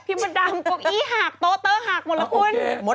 พี่มดรามกรกอี้หักโต๊ะเตอร์หักหมดล่ะคุณ